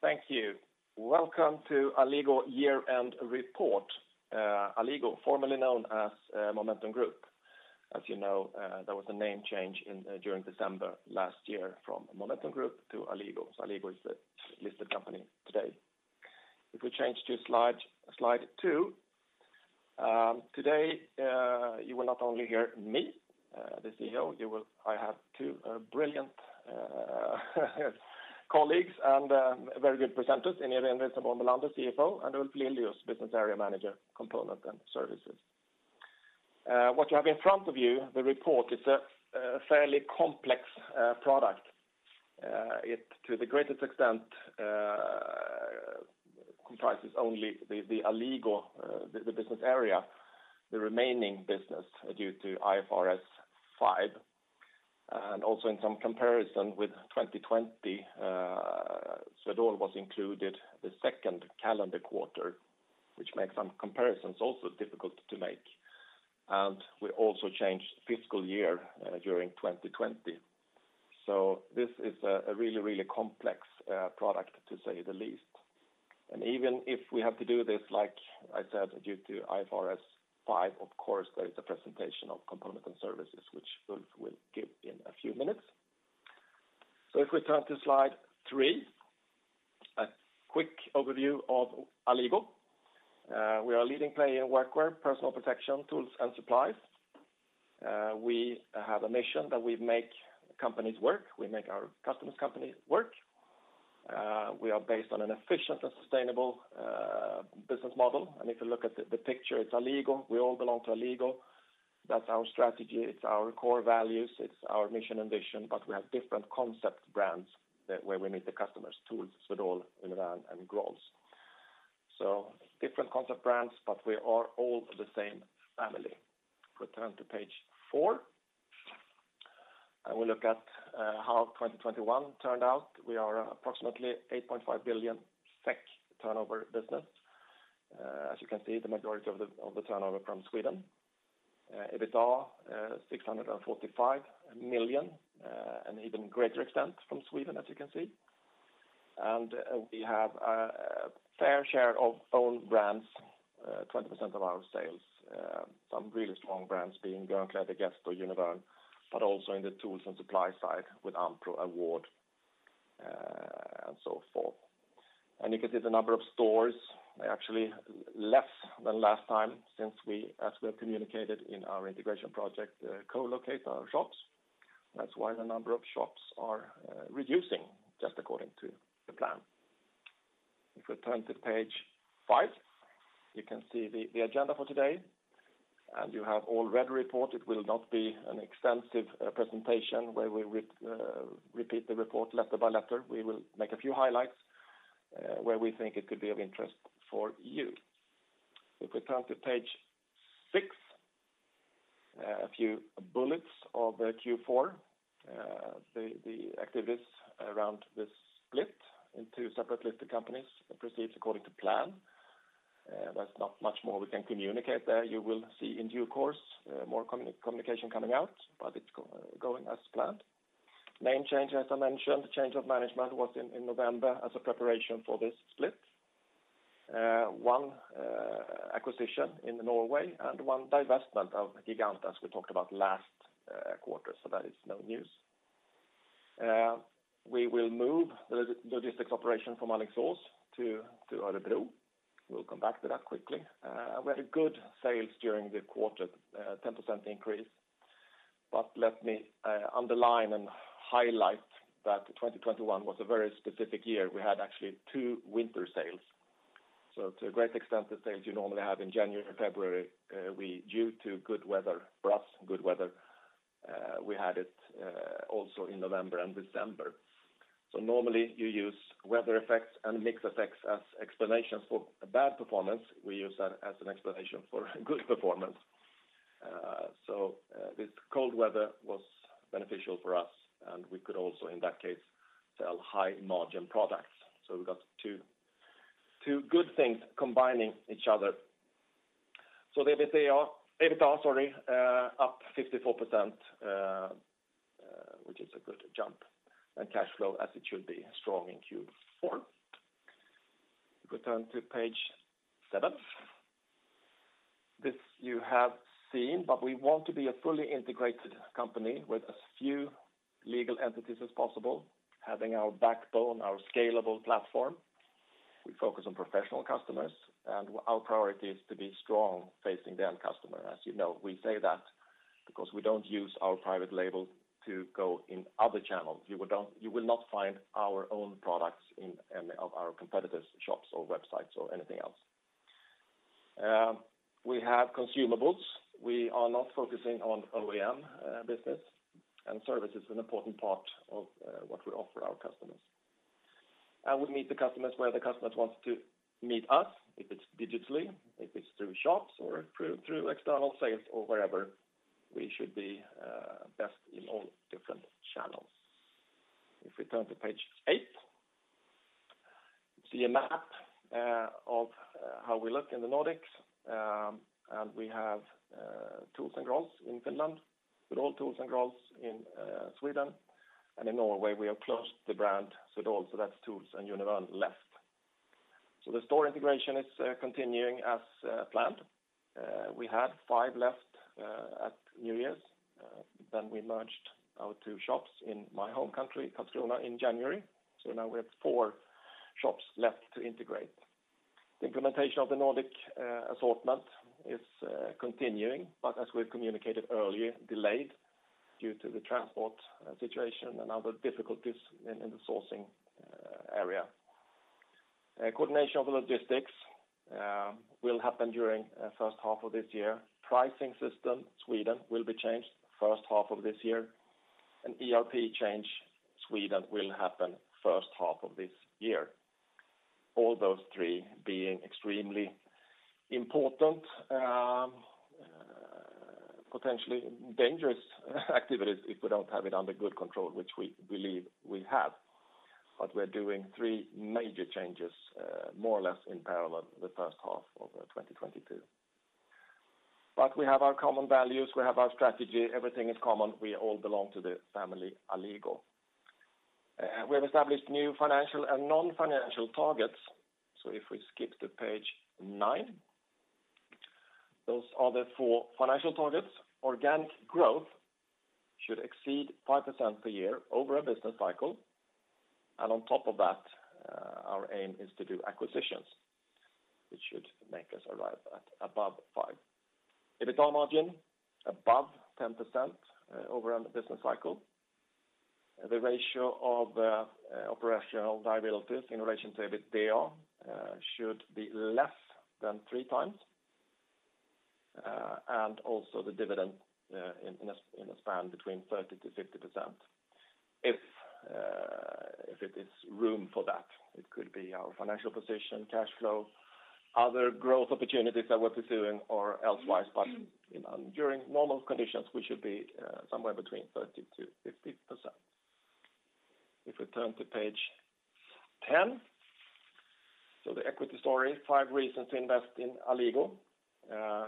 Thank you. Welcome to Alligo year-end report. Alligo, formerly known as Momentum Group. As you know, there was a name change during December last year from Momentum Group to Alligo. Alligo is the listed company today. If we change to slide two. Today, you will not only hear me, the CEO. I have two brilliant colleagues and very good presenters, Irene Wisenborn Bellander, CFO, and Ulf Lilius, Business Area Manager, Components & Services. What you have in front of you, the report, it's a fairly complex product. It, to the greatest extent, comprises only the Alligo business area, the remaining business due to IFRS 5. Also in some comparison with 2020, Swedol was included the second calendar quarter, which makes some comparisons also difficult to make. We also changed fiscal year during 2020. This is a really complex picture to say the least. Even if we have to do this, like I said, due to IFRS 5, of course, there is a presentation of Components & Services which Ulf will give in a few minutes. If we turn to slide 3, a quick overview of Alligo. We are a leading player in workwear, personal protection, tools and supplies. We have a mission that we make companies work. We make our customers' company work. We are based on an efficient and sustainable business model. If you look at the picture, it's Alligo. We all belong to Alligo. That's our strategy. It's our core values. It's our mission and vision, but we have different concept brands that's where we meet the customers, Tools, Swedol, Univern, and Grolls. Different concept brands, but we are all the same family. If we turn to page four, and we look at how 2021 turned out. We are approximately 8.5 billion SEK turnover business. As you can see, the majority of the turnover from Sweden. EBITDA 645 million, an even greater extent from Sweden, as you can see. We have a fair share of own brands, 20% of our sales. Some really strong brands being Björnkläder, Gesto, Univern, but also in the tools and supply side with AmPro, AWARD, and so forth. You can see the number of stores are actually less than last time since we, as we have communicated in our integration project, co-locate our shops. That's why the number of shops are reducing just according to the plan. If we turn to page 5, you can see the agenda for today, and you have all read the report. It will not be an extensive presentation where we repeat the report letter by letter. We will make a few highlights where we think it could be of interest for you. If we turn to page 6, a few bullets of the Q4. The activities around this split in two separate listed companies proceed according to plan. There's not much more we can communicate there. You will see in due course more communication coming out, but it's going as planned. Name change, as I mentioned, change of management was in November as a preparation for this split. One acquisition in Norway and one divestment of Gigant as we talked about last quarter, so that is no news. We will move the logistics operation from Alingsås to Örebro. We'll come back to that quickly. We had good sales during the quarter, 10% increase. Let me underline and highlight that 2021 was a very specific year. We had actually two winter sales. To a great extent, the sales you normally have in January and February, we, due to good weather, for us good weather, had it also in November and December. Normally you use weather effects and mix effects as explanations for a bad performance. We use that as an explanation for good performance. This cold weather was beneficial for us, and we could also, in that case, sell high margin products. We got two good things combining each other. The EBITDA up 54%, which is a good jump. Cash flow as it should be strong in Q4. If we turn to page seven. This you have seen, but we want to be a fully integrated company with as few legal entities as possible, having our backbone, our scalable platform. We focus on professional customers, and our priority is to be strong facing the end customer. As you know, we say that because we don't use our private label to go in other channels. You will not find our own products in any of our competitors' shops or websites or anything else. We have consumables. We are not focusing on OEM business. Service is an important part of what we offer our customers. We meet the customers where the customers wants to meet us. If it's digitally, if it's through shops or through external sales or wherever, we should be best in all different channels. If we turn to page eight. See a map of how we look in the Nordics, and we have Tools and Grolls in Finland, with all Tools and Grolls in Sweden. In Norway, we have closed the brand Swedol, so that's Tools and Univern left. The store integration is continuing as planned. We had 5 left at New Year's, then we merged our two shops in my home country, Katrineholm in January. Now we have four shops left to integrate. The implementation of the Nordic assortment is continuing, but as we've communicated earlier, delayed due to the transport situation and other difficulties in the sourcing area. Coordination of the logistics will happen during first half of this year. Pricing system, Sweden will be changed first half of this year, and ERP change, Sweden will happen first half of this year. All those three being extremely important, potentially dangerous activities if we don't have it under good control, which we believe we have. We're doing 3 major changes, more or less in parallel the first half of 2022. We have our common values, we have our strategy, everything is common, we all belong to the family, Ahlsell. We have established new financial and non-financial targets. If we skip to page 9, those are the 4 financial targets. Organic growth should exceed 5% per year over a business cycle. On top of that, our aim is to do acquisitions, which should make us arrive at above 5%. EBITDA margin above 10%, over a business cycle. The ratio of operational liabilities in relation to EBITDA should be less than 3x. Also the dividend in a span between 30%-50%. If there is room for that, it could be our financial position, cash flow, other growth opportunities that we're pursuing or elsewise. You know, during normal conditions, we should be somewhere between 30%-50%. If we turn to page 10. The equity story, 5 reasons to invest in Ahlsell.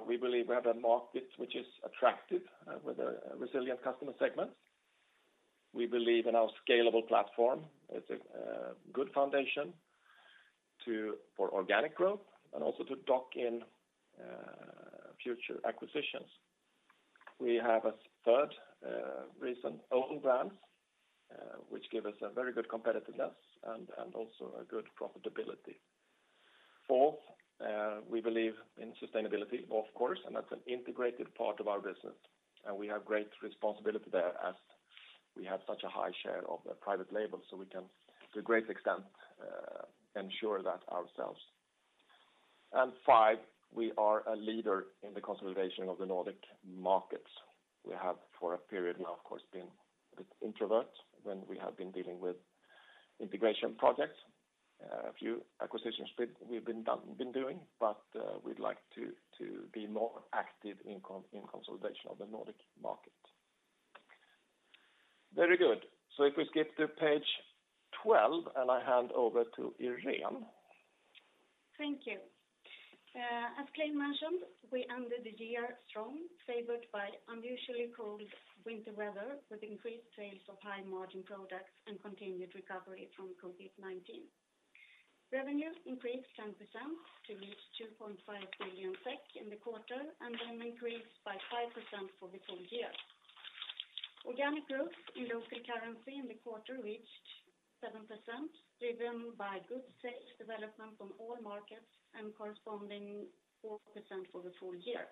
We believe we have a market which is attractive with a resilient customer segment. We believe in our scalable platform. It's a good foundation for organic growth and also to tuck in future acquisitions. We have a third reason, own brands, which give us a very good competitiveness and also a good profitability. Fourth, we believe in sustainability, of course, and that's an integrated part of our business. We have great responsibility there as we have such a high share of the private label, so we can, to a great extent, ensure that ourselves. Five, we are a leader in the consolidation of the Nordic markets. We have for a period now, of course, been a bit introverted when we have been dealing with integration projects, a few acquisitions we've been doing, but we'd like to be more active in consolidation of the Nordic market. Very good. If we skip to page 12, and I hand over to Irene. Thank you. As Clay mentioned, we ended the year strong, favored by unusually cold winter weather with increased sales of high margin products and continued recovery from COVID-19. Revenue increased 10% to reach 2.5 billion SEK in the quarter, and then increased by 5% for the full year. Organic growth in local currency in the quarter reached 7%, driven by good sales development from all markets and corresponding 4% for the full year.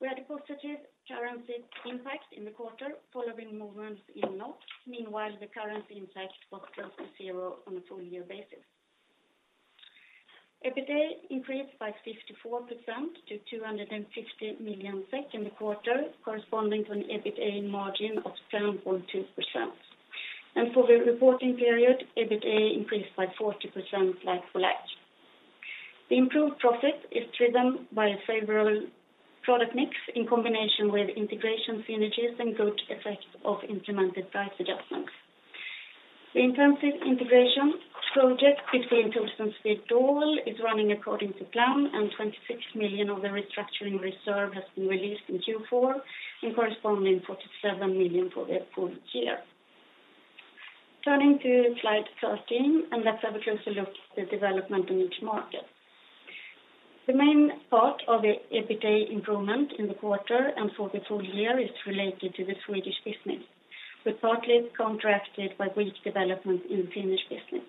We had a positive currency impact in the quarter, following movements in NOK. Meanwhile, the currency impact was close to zero on a full year basis. EBITDA increased by 54% to 250 million SEK in the quarter, corresponding to an EBITDA margin of 7.2%. For the reporting period, EBITDA increased by 40% like for like. The improved profit is driven by a favorable product mix in combination with integration synergies and good effects of implemented price adjustments. The intensive integration project between Tools and Swedol is running according to plan, and 26 million of the restructuring reserve has been released in Q4, with corresponding 47 million for the full year. Turning to slide 13, let's have a closer look at the development in each market. The main part of the EBITDA improvement in the quarter and for the full year is related to the Swedish business. We partly counteracted by weak development in Finnish business.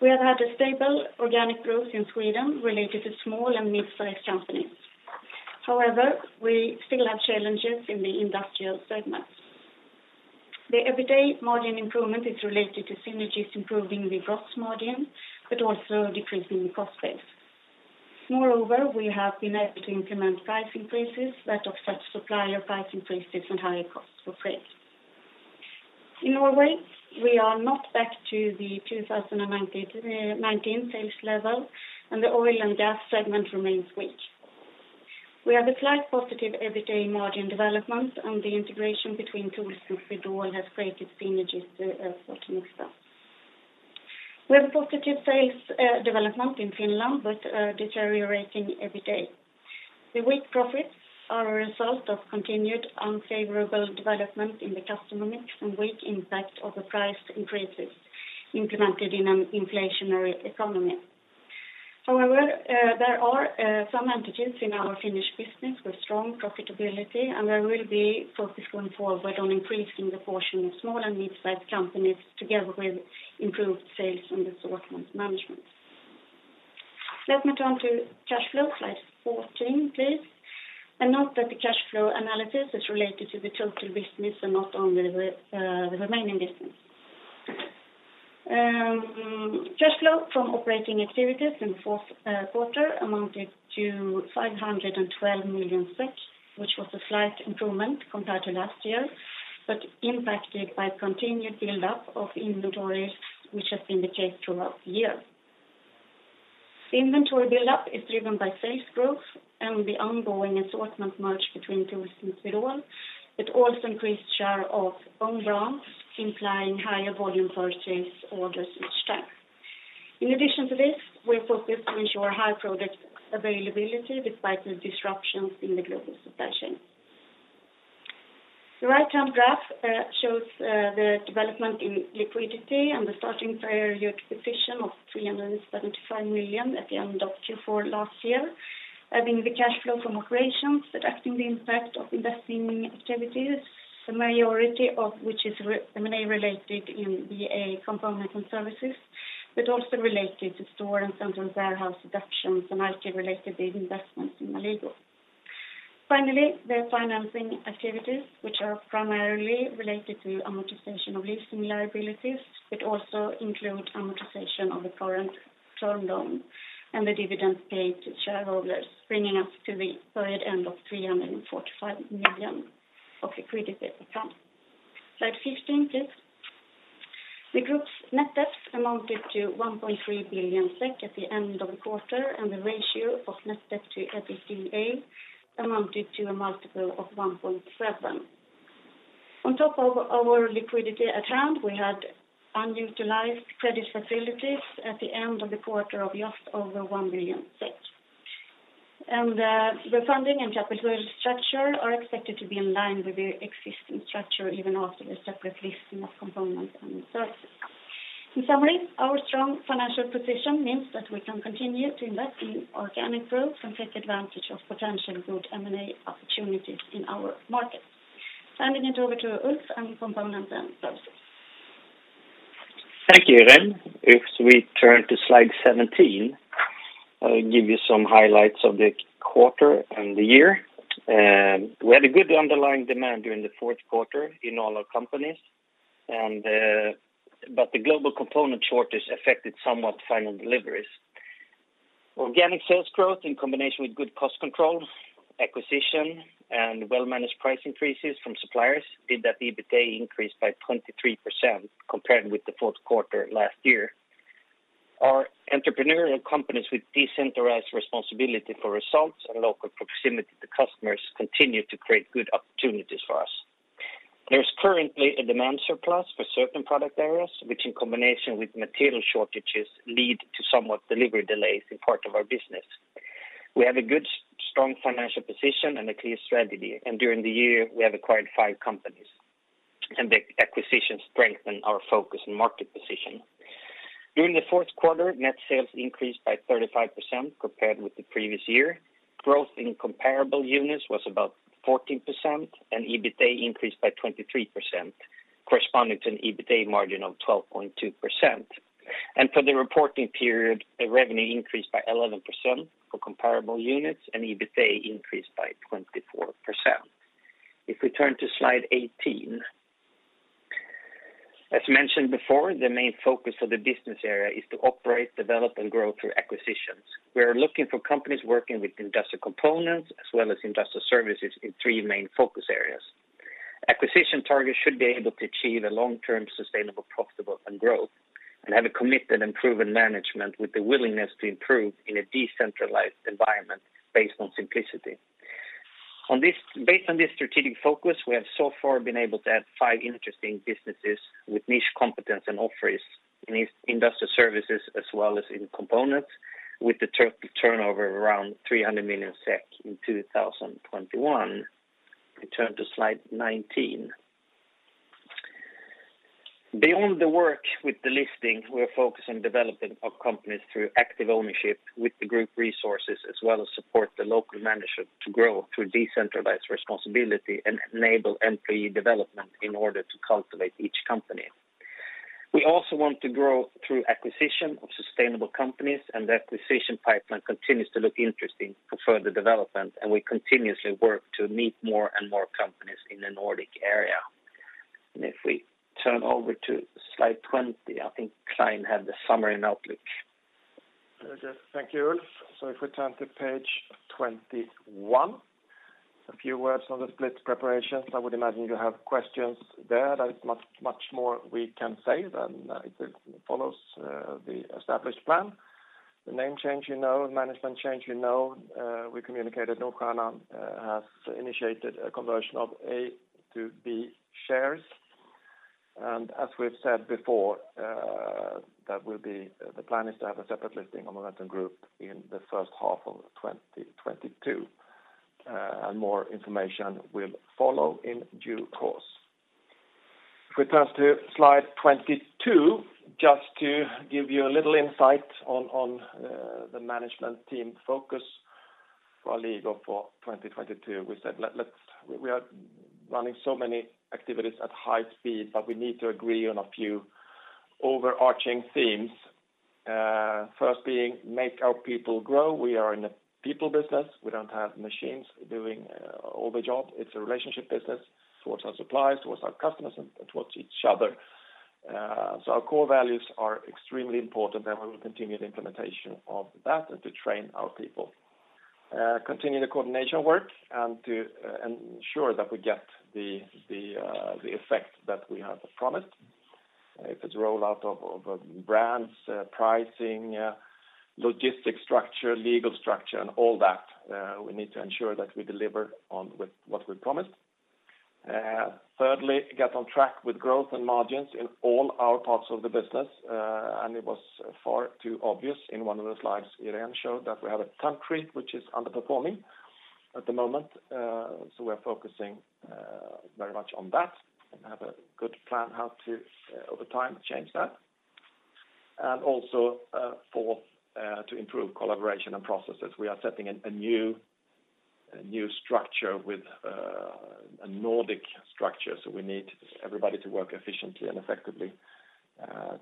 We have had a stable organic growth in Sweden related to small and mid-sized companies. However, we still have challenges in the industrial segment. The EBITDA margin improvement is related to synergies improving the gross margin, but also decreasing cost base. Moreover, we have been able to implement price increases that of such supplier price increases and higher costs for freight. In Norway, we are not back to the 2019 sales level, and the oil and gas segment remains weak. We have a slight positive EBITDA margin development and the integration between Tools and Swedol has created synergies for the next step. We have a positive sales development in Finland, but deteriorating EBITDA. The weak profits are a result of continued unfavorable development in the customer mix and weak impact of the price increases implemented in an inflationary economy. However, there are some entities in our Finnish business with strong profitability, and there will be focus going forward on increasing the portion of small and mid-sized companies together with improved sales and the assortment management. Let me turn to cash flow, slide 14, please. Note that the cash flow analysis is related to the total business and not only the remaining business. Cash flow from operating activities in the fourth quarter amounted to 512 million SEK, which was a slight improvement compared to last year, but impacted by continued build-up of inventories, which has been the case throughout the year. Inventory build-up is driven by sales growth and the ongoing assortment merge between Tools and Swedol, but also increased share of own brands implying higher volume purchase orders each quarter. In addition to this, we're focused to ensure high product availability despite the disruptions in the global supply chain. The right-hand graph shows the development in liquidity and the starting period position of 375 million at the end of Q4 last year, adding the cash flow from operations, deducting the impact of investing activities, the majority of which is M&A-related in the Components & Services, but also related to store and central warehouse reductions and IT-related investments in Alligo. Finally, the financing activities, which are primarily related to amortization of leasing liabilities, but also include amortization of the current term loan and the dividends paid to shareholders, bringing us to the period end of 345 million of liquidity at hand. Slide 15, please. The group's net debts amounted to 1.3 billion SEK at the end of the quarter, and the ratio of net debt to EBITDA amounted to a multiple of 1.7. On top of our liquidity at hand, we had unutilized credit facilities at the end of the quarter of just over 1 billion. The funding and capital structure are expected to be in line with the existing structure even after the separate listing of Components & Services. In summary, our strong financial position means that we can continue to invest in organic growth and take advantage of potential good M&A opportunities in our market. Handing it over to Ulf and Components & Services. Thank you, Irene. If we turn to slide 17, I'll give you some highlights of the quarter and the year. We had a good underlying demand during the fourth quarter in all our companies and, but the global component shortage affected somewhat final deliveries. Organic sales growth in combination with good cost control, acquisition, and well-managed price increases from suppliers made that EBITDA increase by 23% compared with the fourth quarter last year. Our entrepreneurial companies with decentralized responsibility for results and local proximity to customers continue to create good opportunities for us. There's currently a demand surplus for certain product areas, which in combination with material shortages lead to somewhat delivery delays in part of our business. We have a good, strong financial position and a clear strategy, and during the year we have acquired five companies, and the acquisitions strengthen our focus and market position. During the fourth quarter, net sales increased by 35% compared with the previous year. Growth in comparable units was about 14% and EBITDA increased by 23%, corresponding to an EBITDA margin of 12.2%. For the reporting period, the revenue increased by 11% for comparable units and EBITDA increased by 24%. If we turn to slide 18. As mentioned before, the main focus of the business area is to operate, develop, and grow through acquisitions. We are looking for companies working with industrial components as well as industrial services in three main focus areas. Acquisition targets should be able to achieve a long-term, sustainable profitability and growth, and have a committed and proven management with the willingness to improve in a decentralized environment based on simplicity. Based on this strategic focus, we have so far been able to add five interesting businesses with niche competence and offerings in industrial services as well as in components with the turnover around 300 million SEK in 2021. We turn to slide 19. Beyond the work with the listing, we're focused on developing our companies through active ownership with the group resources, as well as support the local management to grow through decentralized responsibility and enable employee development in order to cultivate each company. We also want to grow through acquisition of sustainable companies, and the acquisition pipeline continues to look interesting for further development, and we continuously work to meet more and more companies in the Nordic area. If we turn over to slide 20, I think Clein had the summary and outlook. Yes, thank you, Ulf. If we turn to page 21. A few words on the split preparations. I would imagine you have questions there. There is much more we can say than it follows the established plan. The name change you know, management change you know, we communicated Nordstjernan has initiated a conversion of A to B shares. As we've said before, that will be the plan is to have a separate listing on Momentum Group in the first half of 2022. More information will follow in due course. If we turn to slide 22, just to give you a little insight on the management team focus for Alligo for 2022. We said we are running so many activities at high speed, but we need to agree on a few overarching themes. First, make our people grow. We are in a people business. We don't have machines doing all the job. It's a relationship business towards our suppliers, towards our customers, and towards each other. Our core values are extremely important, and we will continue the implementation of that and to train our people. Continue the coordination work and to ensure that we get the effect that we have promised. If it's rollout of brands, pricing, logistics structure, legal structure, and all that, we need to ensure that we deliver on with what we promised. Thirdly, get on track with growth and margins in all our parts of the business. It was far too obvious in one of the slides Irene showed that we have a country which is underperforming at the moment. We're focusing very much on that and have a good plan how to over time change that. Also, fourth, to improve collaboration and processes. We are setting a new structure with a Nordic structure. We need everybody to work efficiently and effectively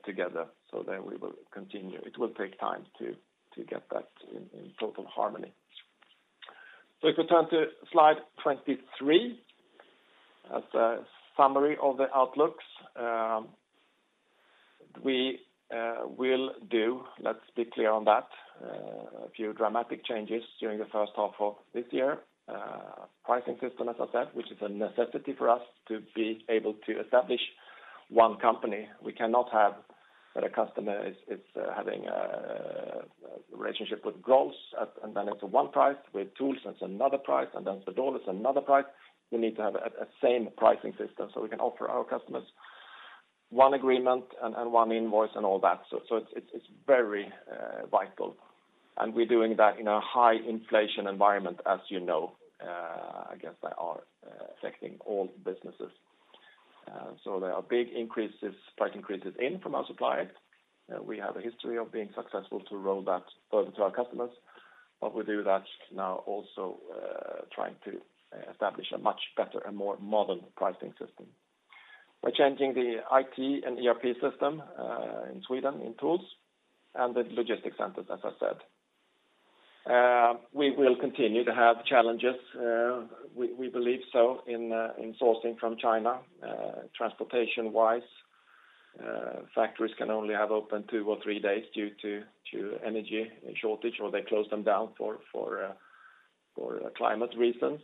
together so that we will continue. It will take time to get that in total harmony. If we turn to slide 23 as a summary of the outlooks. We will do, let's be clear on that, a few dramatic changes during the first half of this year. Pricing system, as I said, which is a necessity for us to be able to establish one company. We cannot have that a customer is having a relationship with Grolls, and then it's one price, with Tools it's another price, and then Swedol is another price. We need to have a same pricing system, so we can offer our customers one agreement and one invoice and all that. It's very vital. We're doing that in a high inflation environment, as you know, I guess that are affecting all businesses. So there are big increases, price increases in from our suppliers. We have a history of being successful to roll that over to our customers. We do that now also, trying to establish a much better and more modern pricing system. By changing the IT and ERP system in Sweden in Tools and the logistic centers, as I said. We will continue to have challenges. We believe so in sourcing from China, transportation-wise. Factories can only have open two or three days due to energy shortage, or they close them down for climate reasons.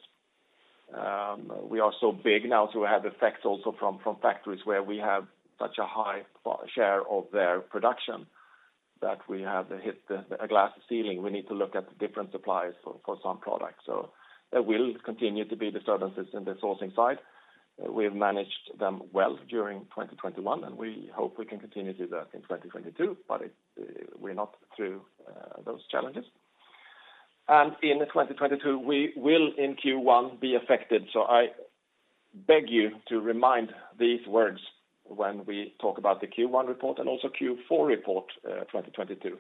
We are so big now, so we have effects also from factories where we have such a high share of their production that we have hit a glass ceiling. We need to look at different suppliers for some products. There will continue to be disturbances in the sourcing side. We've managed them well during 2021, and we hope we can continue to do that in 2022, but we're not through those challenges. In 2022, we will in Q1 be affected. I beg you to remind these words when we talk about the Q1 report and also Q4 report, 2022,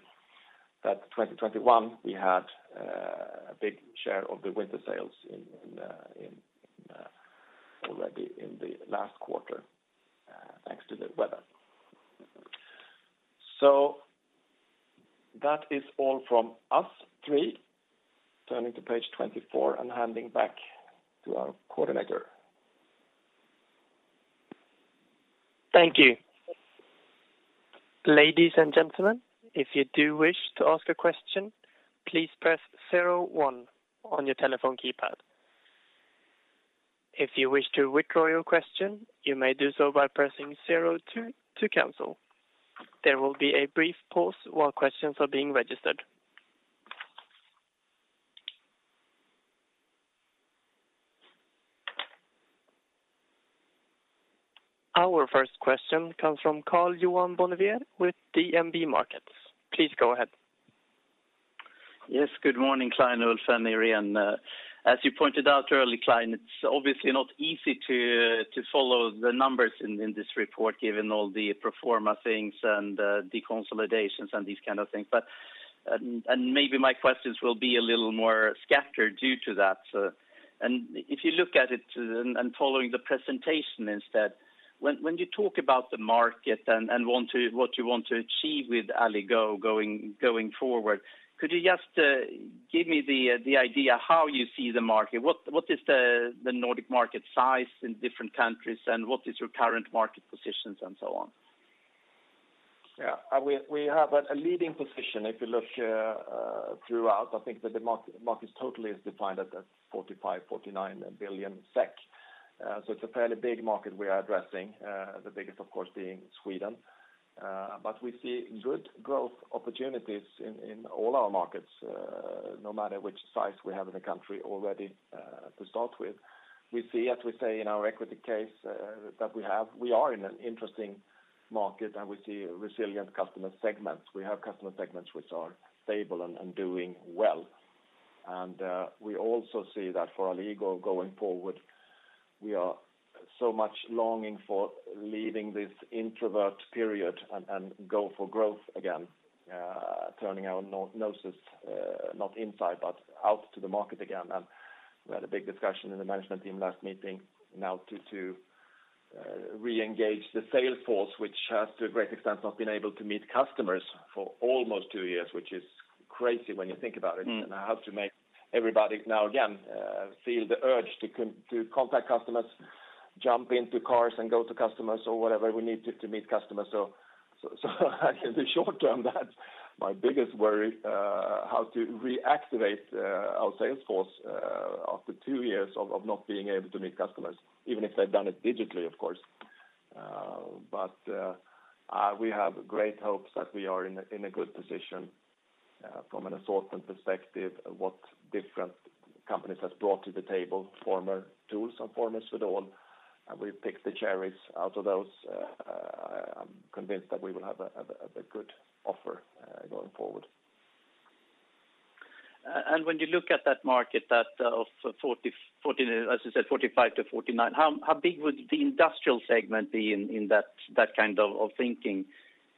that 2021 we had a big share of the winter sales already in the last quarter, thanks to the weather. That is all from us three. Turning to page 24 and handing back to our coordinator. Thank you. Ladies and gentlemen, if you do wish to ask a question, please press zero one on your telephone keypad. If you wish to withdraw your question, you may do so by pressing zero two to cancel. There will be a brief pause while questions are being registered. Our first question comes from Karl-Johan Bonnevier with DNB Markets. Please go ahead. Yes. Good morning, Clein, Ulf, and Irene. As you pointed out earlier, Clein, it's obviously not easy to follow the numbers in this report, given all the pro forma things and the deconsolidations and these kind of things. Maybe my questions will be a little more scattered due to that. If you look at it and following the presentation instead, when you talk about the market and want to what you want to achieve with Alligo going forward, could you just give me the idea how you see the market? What is the Nordic market size in different countries, and what is your current market positions and so on? Yeah, we have a leading position. If you look throughout, I think that the market totally is defined at 45 billion-49 billion SEK. It's a fairly big market we are addressing, the biggest of course being Sweden. We see good growth opportunities in all our markets, no matter which size we have in the country already, to start with. We see, as we say in our equity case, that we are in an interesting market, and we see resilient customer segments. We have customer segments which are stable and doing well. We also see that for Alligo going forward, we are so much longing for leaving this introverted period and go for growth again, turning our focus not inside, but out to the market again. We had a big discussion in the management team last meeting now to re-engage the sales force, which has to a great extent not been able to meet customers for almost two years, which is crazy when you think about it. Mm. How to make everybody now again feel the urge to contact customers, jump into cars and go to customers or whatever we need to meet customers. In the short term, that's my biggest worry, how to reactivate our sales force after two years of not being able to meet customers, even if they've done it digitally, of course. We have great hopes that we are in a good position from an assortment perspective, what different companies has brought to the table, former Tools and former Swedol, and we pick the cherries out of those. I'm convinced that we will have a good offer going forward. When you look at that market that of 40, as you said, 45-49, how big would the industrial segment be in that kind of thinking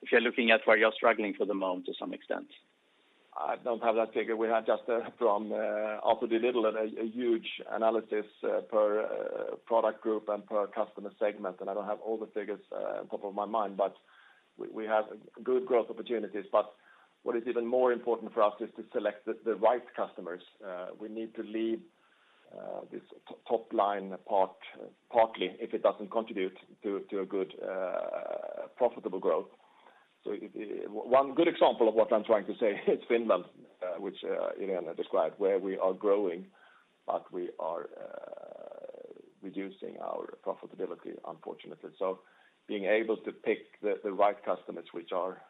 if you're looking at where you're struggling for the moment to some extent? I don't have that figure. We had just from Arthur D. Little a huge analysis per product group and per customer segment. I don't have all the figures on top of my mind, but we have good growth opportunities. What is even more important for us is to select the right customers. We need to leave this top line part partly if it doesn't contribute to a good profitable growth. One good example of what I'm trying to say is Finland, which Irene described, where we are growing, but we are reducing our profitability, unfortunately. Being able to pick the right customers which are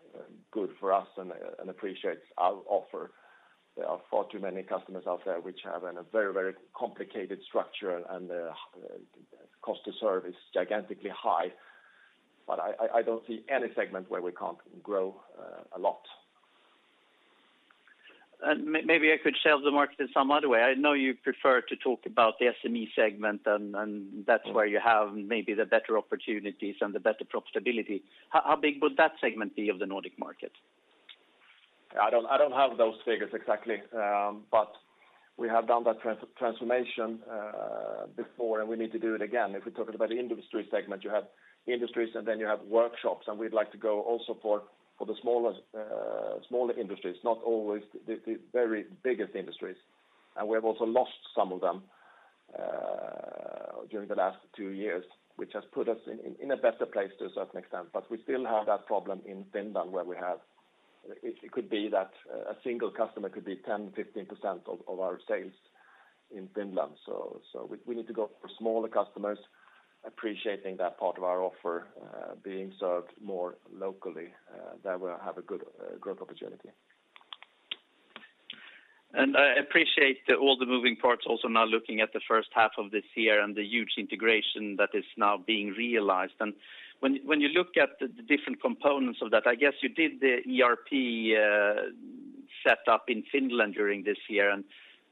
good for us and appreciates our offer. There are far too many customers out there which have a very, very complicated structure, and the cost to serve is gigantically high. I don't see any segment where we can't grow a lot. Maybe I could sell the market in some other way. I know you prefer to talk about the SME segment, and that's where you have maybe the better opportunities and the better profitability. How big would that segment be of the Nordic market? I don't have those figures exactly. We have done that transformation before, and we need to do it again. If we're talking about the industry segment, you have industries, and then you have workshops, and we'd like to go also for the smaller industries, not always the very biggest industries. We have also lost some of them during the last two years, which has put us in a better place to a certain extent. We still have that problem in Finland, where a single customer could be 10%-15% of our sales in Finland. We need to go for smaller customers appreciating that part of our offer, being served more locally. That will have a good growth opportunity. I appreciate all the moving parts also now looking at the first half of this year and the huge integration that is now being realized. When you look at the different components of that, I guess you did the ERP set up in Finland during this year, and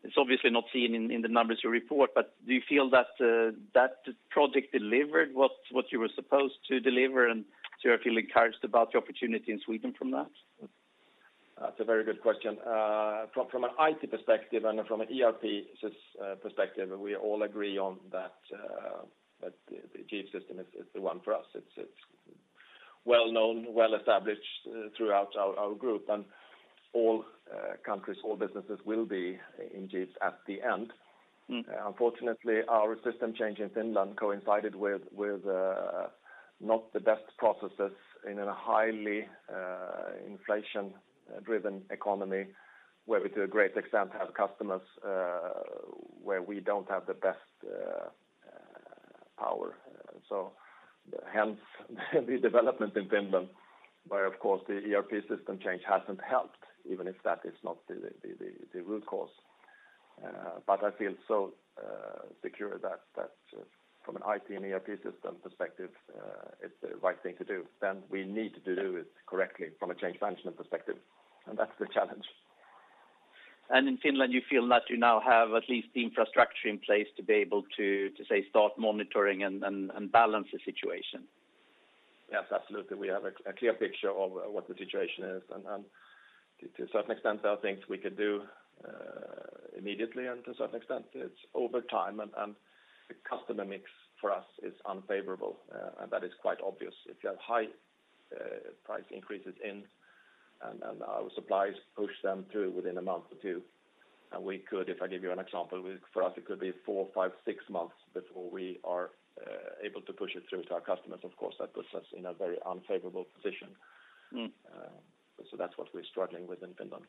it's obviously not seen in the numbers you report. But do you feel that that project delivered what you were supposed to deliver? Do you feel encouraged about the opportunity in Sweden from that? That's a very good question. From an IT perspective and from an ERP perspective, we all agree on that the Jeeves system is the one for us. It's well known, well established throughout our group, and all countries, all businesses will be in Jeeves at the end. Mm. Unfortunately, our system change in Finland coincided with not the best processes in a highly inflation-driven economy, where we to a great extent have customers where we don't have the best power. Hence the development in Finland, where of course the ERP system change hasn't helped, even if that is not the root cause. I feel so secure that from an IT and ERP system perspective, it's the right thing to do. We need to do it correctly from a change management perspective, and that's the challenge. In Finland, you feel that you now have at least the infrastructure in place to be able to, say, start monitoring and balance the situation? Yes, absolutely. We have a clear picture of what the situation is, and to a certain extent, there are things we could do immediately, and to a certain extent, it's over time. The customer mix for us is unfavorable, and that is quite obvious. If you have high price increases in, and our suppliers push them through within one month or two. We could, if I give you an example, for us it could be four, five, six months before we are able to push it through to our customers. Of course, that puts us in a very unfavorable position. Mm. That's what we're struggling with in Finland.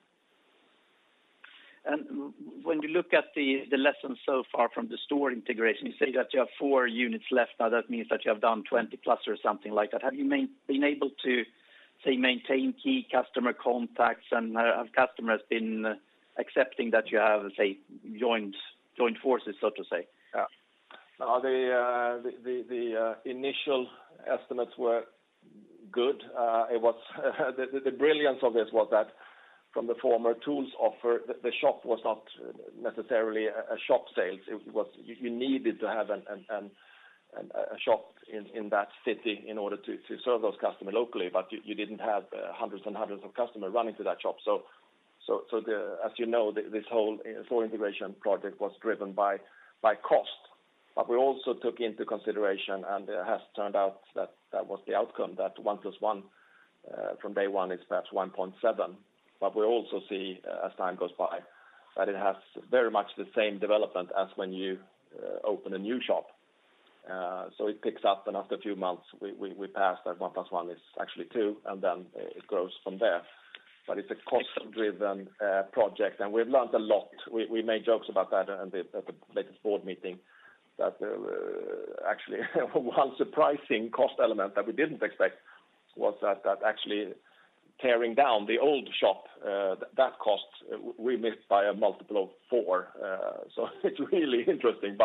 When you look at the lessons so far from the store integration, you say that you have four units left. Now, that means that you have done 20-plus or something like that. Have you been able to, say, maintain key customer contacts? Have customers been accepting that you have, say, joined forces, so to say? Yeah. No, the initial estimates were good. The brilliance of this was that from the former Tools offer, the shop was not necessarily a shop sales. It was you needed to have a shop in that city in order to serve those customers locally. You didn't have hundreds and hundreds of customers running to that shop. As you know, this whole store integration project was driven by cost. We also took into consideration, and it has turned out that that was the outcome, that 1 + 1 from day one is perhaps 1.7. We also see, as time goes by, that it has very much the same development as when you open a new shop. It picks up, and after a few months, we pass that one plus one is actually two, and then it grows from there. It's a cost-driven project, and we've learned a lot. We made jokes about that at the latest board meeting, that actually one surprising cost element that we didn't expect was that actually tearing down the old shop, that cost we missed by a multiple of four. It's really interesting.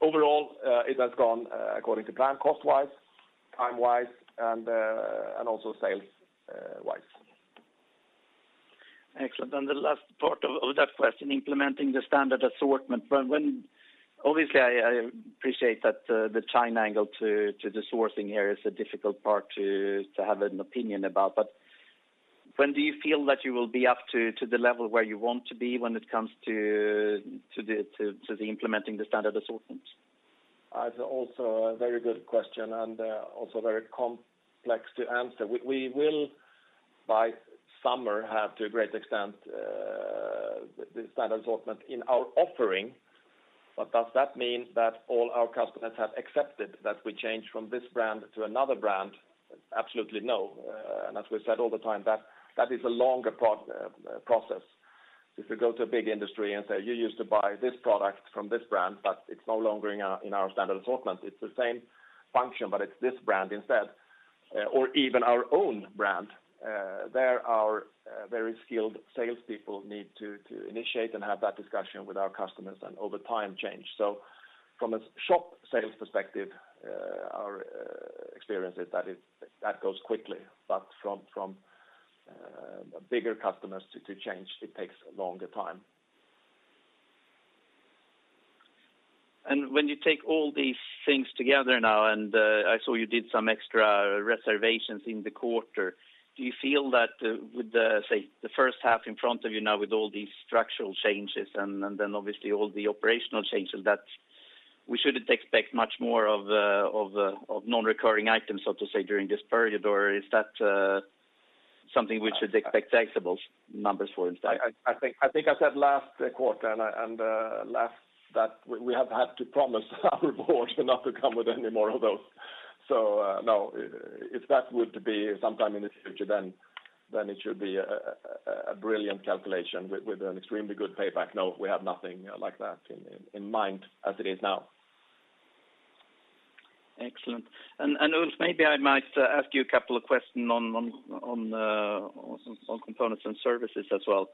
Overall, it has gone according to plan cost-wise, time-wise, and also sales-wise. Excellent. The last part of that question, implementing the standard assortment. When, obviously, I appreciate that the China angle to the sourcing here is a difficult part to have an opinion about. But when do you feel that you will be up to the level where you want to be when it comes to the implementing the standard assortment? That's also a very good question, and also very complex to answer. We will by summer have, to a great extent, the standard assortment in our offering. Does that mean that all our customers have accepted that we change from this brand to another brand? Absolutely no. As we've said all the time, that is a longer process. If you go to a big industry and say, "You used to buy this product from this brand, but it's no longer in our standard assortment. It's the same function, but it's this brand instead," or even our own brand, there our very skilled salespeople need to initiate and have that discussion with our customers, and over time change. From a shop sales perspective, our experience is that it goes quickly. From bigger customers to change, it takes a longer time. When you take all these things together now, I saw you did some extra reservations in the quarter, do you feel that with the, say, the first half in front of you now with all these structural changes and then obviously all the operational changes, that we shouldn't expect much more of non-recurring items, so to say, during this period? Or is that something we should expect adjusted numbers, for instance? I think I said last quarter that we have had to promise our board not to come with any more of those. No. If that were to be sometime in the future, then it should be a brilliant calculation with an extremely good payback. No, we have nothing like that in mind as it is now. Excellent. Ulf, maybe I might ask you a couple of question on Components & Services as well.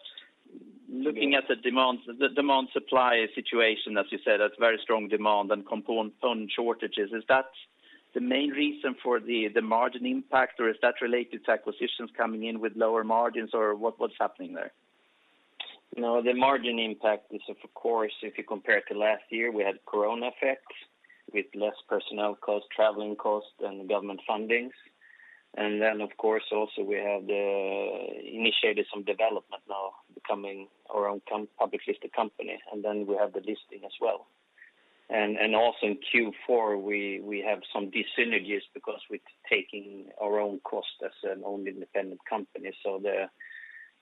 Yes. Looking at the demands, the demand-supply situation, as you said, that's very strong demand and component shortages, is that the main reason for the margin impact, or is that related to acquisitions coming in with lower margins, or what's happening there? No, the margin impact is of course, if you compare to last year, we had COVID effects with less personnel cost, traveling cost, and government fundings. Of course also we have initiated some development now becoming our own publicly listed company, and we have the listing as well. Also in Q4, we have some dis-synergies because we're taking our own cost as an own independent company.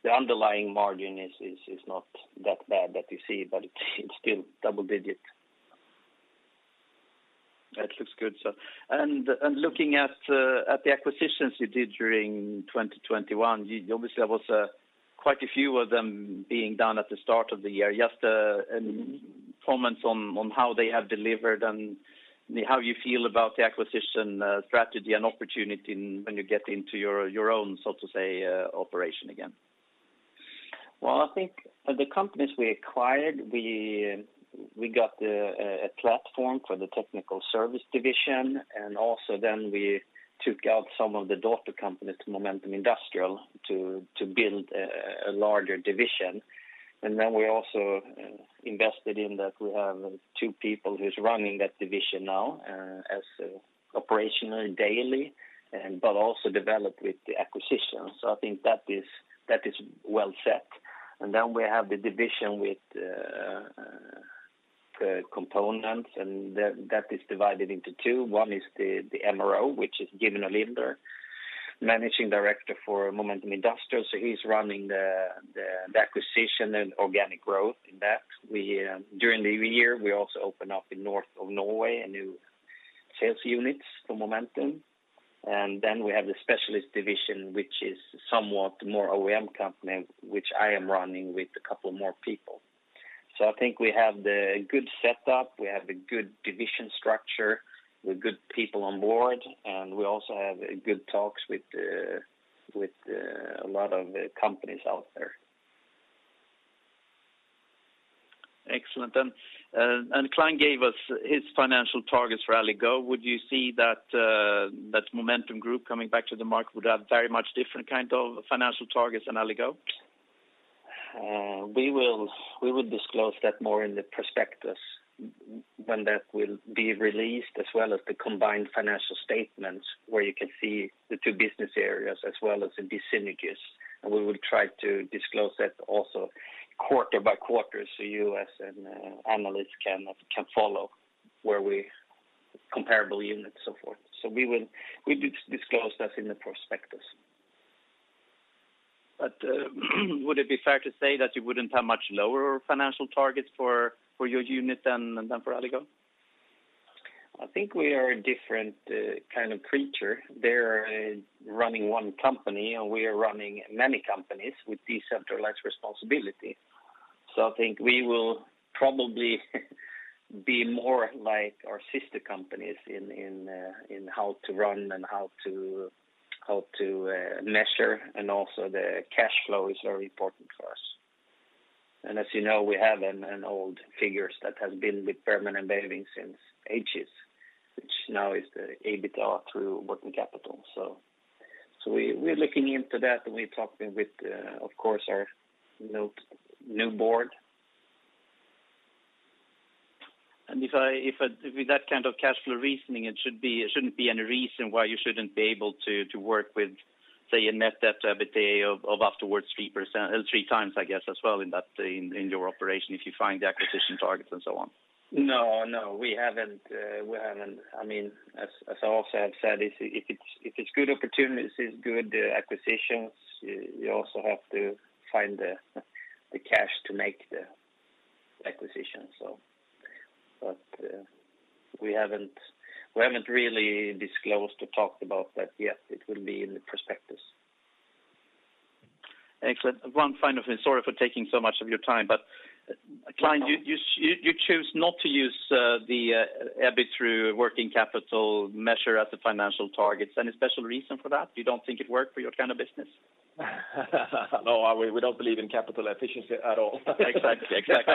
The underlying margin is not that bad that you see, but it's still double digit. That looks good. Looking at the acquisitions you did during 2021, you obviously there was quite a few of them being done at the start of the year. Just any comments on how they have delivered and how you feel about the acquisition strategy and opportunity when you get into your own, so to say, operation again? Well, I think the companies we acquired, we got a platform for the technical service division, and also then we took out some of the daughter companies, Momentum Industrial, to build a larger division. We also invested in that we have two people who's running that division now, as operational daily and but also develop with the acquisitions. I think that is well set. We have the division with the components and that is divided into two. One is the MRO, which is given Alexander, managing director for Momentum Industrial. He's running the acquisition and organic growth in that. During the year, we also open up in north of Norway, a new sales units for Momentum. We have the specialist division, which is somewhat more OEM company, which I am running with a couple more people. I think we have the good setup. We have a good division structure with good people on board, and we also have good talks with a lot of companies out there. Excellent. Clein gave us his financial targets for Alligo. Would you see that that Momentum Group coming back to the market would have very much different kind of financial targets than Alligo? We will disclose that more in the prospectus when that will be released, as well as the combined financial statements where you can see the two business areas as well as the dis-synergies. We will try to disclose that also quarter by quarter, so you as an analyst can follow the comparable units, and so forth. We will disclose that in the prospectus. Would it be fair to say that you wouldn't have much lower financial targets for your unit than for Alligo? I think we are a different kind of creature. They're running one company, and we are running many companies with decentralized responsibility. I think we will probably be more like our sister companies in how to run and how to measure, and also the cash flow is very important for us. As you know, we have an old figure that has been with permanent basis for ages, which now is the EBITDA through working capital. We're looking into that, and we're talking with, of course our new Board. If I with that kind of cash flow reasoning, it shouldn't be any reason why you shouldn't be able to work with, say, a net debt to EBITDA of 3x, I guess, as well in your operation if you find the acquisition targets and so on. No, we haven't. I mean, as I also have said, if it's good opportunities, it's good acquisitions, you also have to find the cash to make the acquisition. We haven't really disclosed or talked about that yet. It will be in the prospectus. Excellent. One final thing. Sorry for taking so much of your time, but Clein, you choose not to use the EBIT through working capital measure as the financial targets. Any special reason for that? You don't think it worked for your kind of business? No, we don't believe in capital efficiency at all. Exactly. Exactly.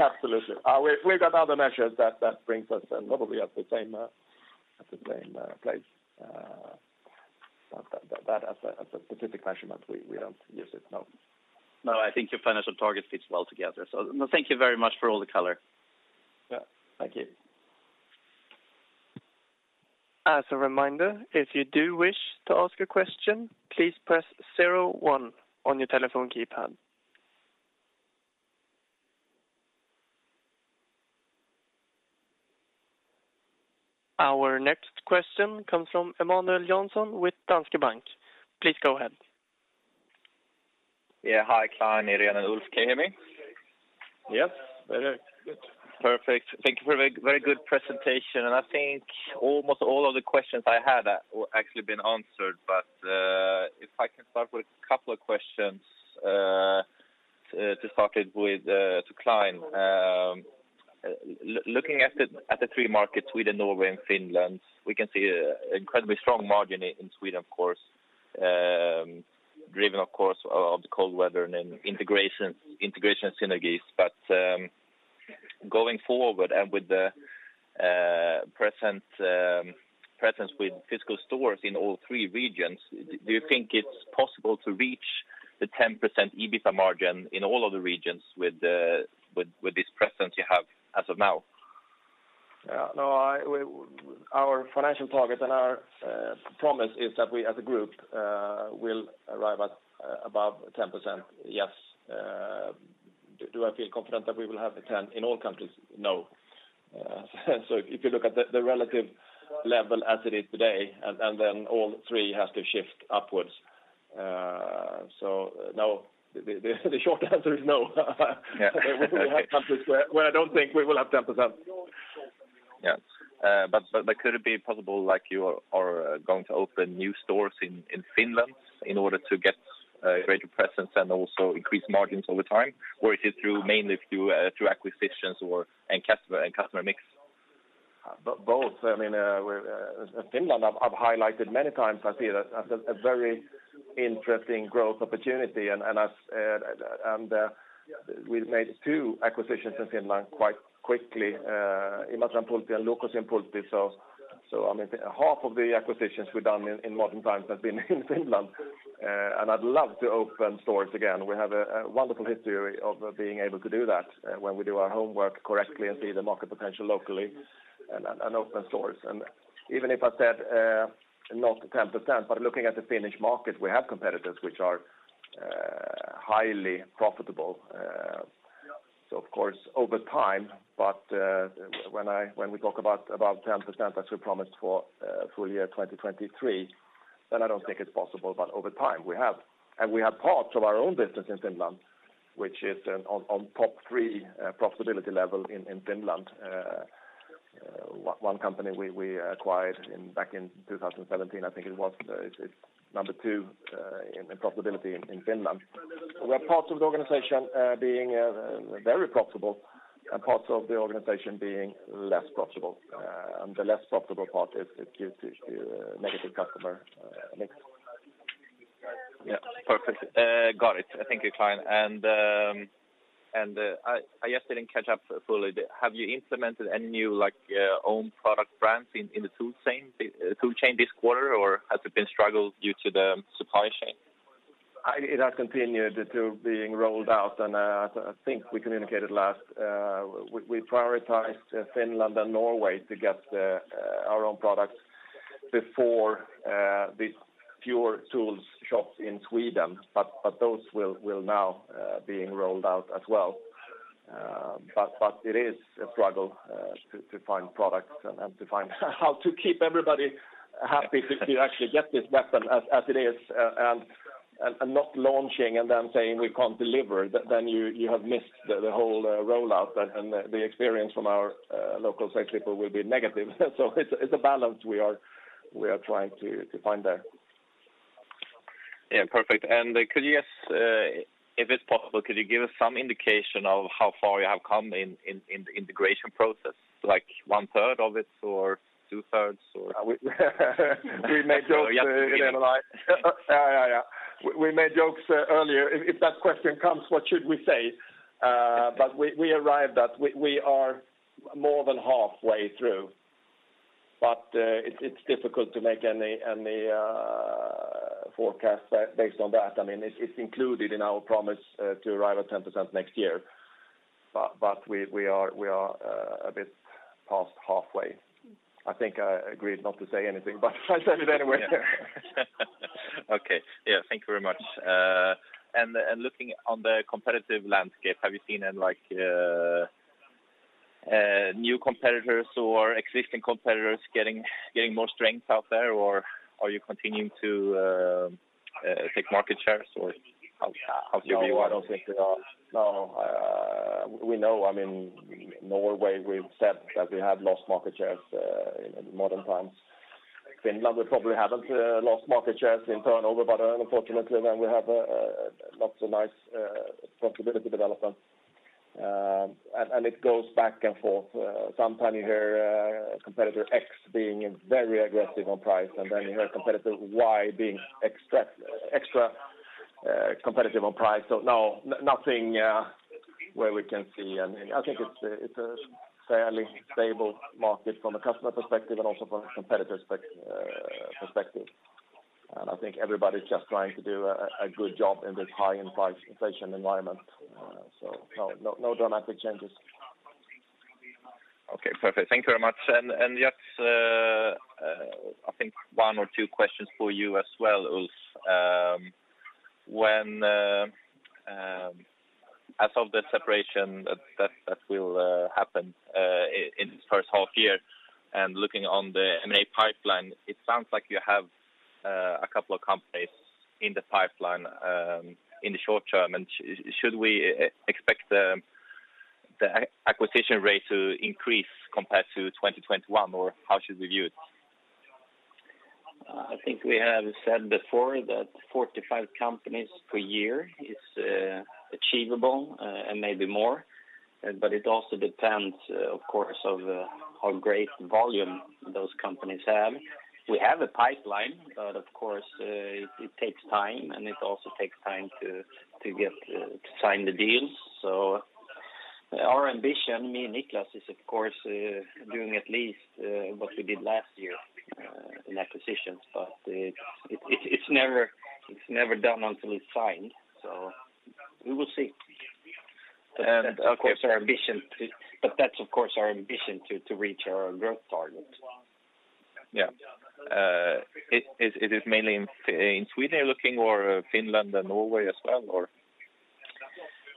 Absolutely. We've got other measures that brings us probably at the same place. That as a specific measurement, we don't use it, no. No, I think your financial target fits well together. No, thank you very much for all the color. Yeah. Thank you. As a reminder, if you do wish to ask a question, please press zero one on your telephone keypad. Our next question comes from Emanuel Jansson with Danske Bank. Please go ahead. Yeah. Hi, Clein, Irene, and Ulf. Can you hear me? Yes. Very good. Perfect. Thank you for a very good presentation. I think almost all of the questions I had actually been answered. If I can start with a couple of questions, to start with, to Klein. Looking at the three markets, Sweden, Norway, and Finland, we can see an incredibly strong margin in Sweden, of course, driven by the cold weather and then integration synergies. Going forward and with the present presence with physical stores in all three regions, do you think it's possible to reach the 10% EBITDA margin in all of the regions with this presence you have as of now? No, our financial target and our promise is that we as a group will arrive at above 10%, yes. Do I feel confident that we will have the 10 in all countries? No. If you look at the relative level as it is today, and then all three has to shift upwards. No, the short answer is no. Yeah. Okay. We will have countries where I don't think we will have 10%. Yeah. Could it be possible, like you are going to open new stores in Finland in order to get greater presence and also increase margins over time? Or is it mainly through acquisitions or customer mix? Both. I mean, we're in Finland. I've highlighted many times. I see it as a very interesting growth opportunity. We've made two acquisitions in Finland quite quickly, Imatran Pultti and Liukkosen Pultti. I mean, half of the acquisitions we've done in modern times have been in Finland. I'd love to open stores again. We have a wonderful history of being able to do that when we do our homework correctly and see the market potential locally and open stores. Even if I said not 10%, but looking at the Finnish market, we have competitors which are highly profitable. Of course, over time, but when we talk about 10% as we promised for full year 2023, then I don't think it's possible. Over time, we have. We have parts of our own business in Finland, which is on top three profitability level in Finland. One company we acquired back in 2017, I think it was. It's number two in profitability in Finland. We have parts of the organization being very profitable and parts of the organization being less profitable. The less profitable part gives the negative customer mix. Yeah. Perfect. Got it. Thank you, Klein. I just didn't catch up fully. Have you implemented any new like own product brands in the toolchain this quarter, or has it been a struggle due to the supply chain? It has continued to being rolled out, and I think we communicated last we prioritized Finland and Norway to get our own products before the fewer tools shops in Sweden. Those will now being rolled out as well. It is a struggle to find products and to find how to keep everybody happy to actually get this weapon as it is, and not launching and then saying we can't deliver, then you have missed the whole rollout. The experience from our local sales people will be negative. It's a balance we are trying to find there. Yeah. Perfect. Could you just, if it's possible, could you give us some indication of how far you have come in the integration process? Like one third of it or two thirds or We made jokes earlier. Yeah. We made jokes earlier if that question comes, what should we say? We arrived at that we are more than halfway through. It's difficult to make any forecast based on that. I mean, it's included in our promise to arrive at 10% next year. We are a bit past halfway. I think I agreed not to say anything, but I said it anyway. Okay. Yeah. Thank you very much. Looking on the competitive landscape, have you seen any, like, new competitors or existing competitors getting more strength out there, or are you continuing to take market shares or how's your view on it? No, I don't think they are. No. We know, I mean, Norway, we've said that we have lost market shares in modern times. Finland, we probably haven't lost market shares in turnover, but unfortunately then we have not so nice profitability development. It goes back and forth. Sometimes you hear competitor X being very aggressive on price, and then you hear competitor Y being extra competitive on price. No, nothing where we can see. I mean, I think it's a fairly stable market from a customer perspective and also from a competitor perspective. I think everybody's just trying to do a good job in this high inflation environment. No dramatic changes. Okay, perfect. Thank you very much. Just, I think one or two questions for you as well, Ulf. When, as of the separation that will happen in first half year and looking on the M&A pipeline, it sounds like you have a couple of companies in the pipeline in the short term. Should we expect the acquisition rate to increase compared to 2021, or how should we view it? I think we have said before that 45 companies per year is achievable, and maybe more. It also depends, of course, of how great volume those companies have. We have a pipeline, but of course, it takes time, and it also takes time to get to sign the deals. Our ambition, me and Niklas, is of course, doing at least what we did last year in acquisitions, but it's never done until it's signed, so we will see. Okay. That's of course our ambition to reach our growth target. Yeah. It is mainly in Sweden you're looking or Finland and Norway as well, or?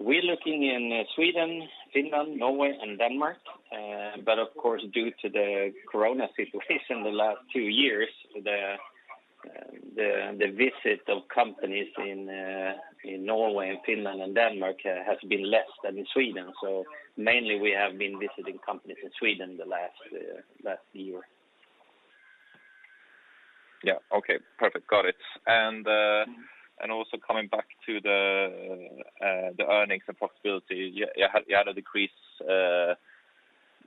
We're looking in Sweden, Finland, Norway and Denmark. Of course, due to the COVID situation the last two years, the visit of companies in Norway and Finland and Denmark has been less than in Sweden. Mainly we have been visiting companies in Sweden the last year. Yeah. Okay, perfect. Got it. Also coming back to the earnings and profitability, you had a decrease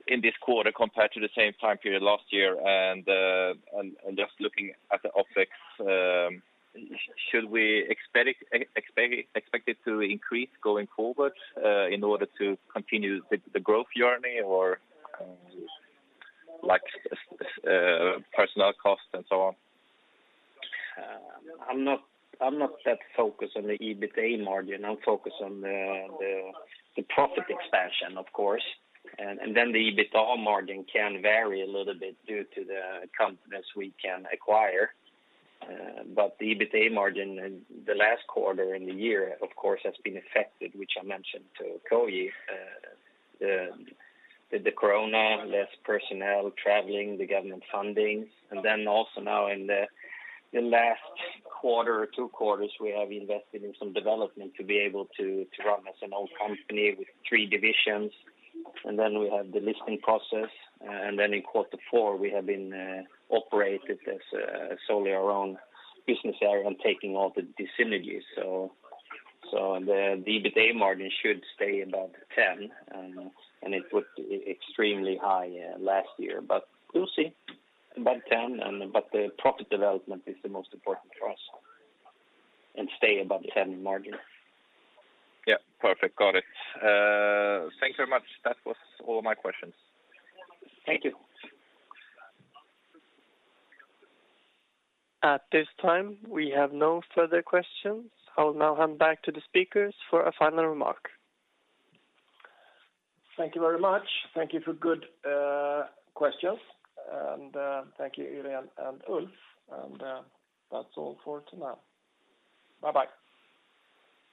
in this quarter compared to the same time period last year. Just looking at the OpEx, should we expect it to increase going forward in order to continue the growth journey or, like, personnel costs and so on? I'm not that focused on the EBITA margin. I'm focused on the profit expansion, of course. The EBITDA margin can vary a little bit due to the companies we can acquire. The EBITA margin in the last quarter in the year, of course, has been affected, which I mentioned to Clein Ullenvik. The COVID, less personnel traveling, the government funding, and then also now in the last quarter or two quarters, we have invested in some development to be able to run as an old company with three divisions. We have the listing process. In quarter four, we have been operated as solely our own business area and taking all the synergies. The EBITA margin should stay above 10%, and it was extremely high last year. We'll see. Above 10%, the profit development is the most important for us, and stay above 10% margin. Yeah. Perfect. Got it. Thank you very much. That was all my questions. Thank you. At this time, we have no further questions. I'll now hand back to the speakers for a final remark. Thank you very much. Thank you for good questions. Thank you, Irene and Ulf. That's all for tonight. Bye-bye.